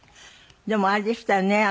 でもあれでしたよね。